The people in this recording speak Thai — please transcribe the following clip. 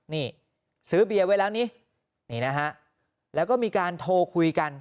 นี่ซื้อเบียร์ไว้แล้วนี่นี่นะฮะแล้วก็มีการโทรคุยกัน